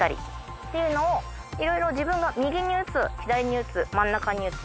っていうのをいろいろ自分が右に打つ左に打つ真ん中に打つ。